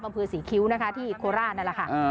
อำเภอศรีคิ้วนะคะที่โคราชนั่นแหละค่ะ